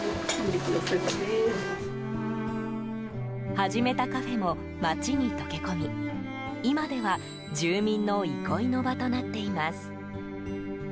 始めたカフェも町に溶け込み今では住民の憩いの場となっています。